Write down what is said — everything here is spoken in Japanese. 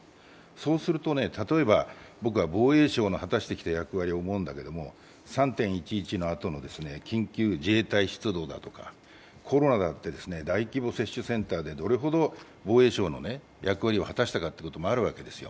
そうすると例えば、僕は防衛省の果たしてきた役割を思うんだけど、３・１１のあとの緊急自衛隊出動だとかコロナだって大規模接種センターでどれほど防衛省の役割を果たしたかということだってあるわけですよ。